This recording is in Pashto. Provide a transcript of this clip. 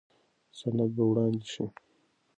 سند به وړاندې شي.